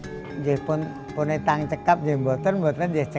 saya pun tidak mencoba saya berharap saya bisa